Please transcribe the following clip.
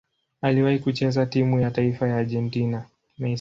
Aliwahi kucheza timu ya taifa ya Argentina.